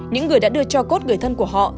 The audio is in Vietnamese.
những người đã đưa cho cốt người thân của họ